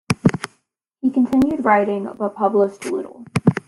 He continued writing but published little.